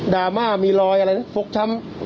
ดาร์ไม่มีรอยอะไรเนี้ยฟกช้ามฟวกช้ำ